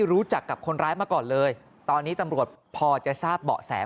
รู้จักกับคนร้ายมาก่อนเลยตอนนี้ตำรวจพอจะทราบเบาะแส